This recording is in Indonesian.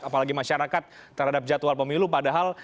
apalagi masyarakat terhadap jadwal pemilu padahal